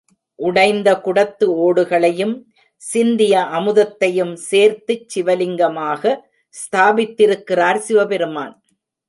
உடைந்த குடத்து ஓடுகளையும், சிந்திய அமுதத்தையும் சேர்த்துச் சிவலிங்கமாக ஸ்தாபித்திருக்கிறார் சிவபெருமான்.